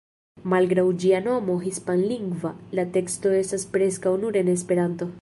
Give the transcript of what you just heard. Malgraŭ ĝia nomo hispanlingva, la tekstoj estas preskaŭ nur en Esperanto.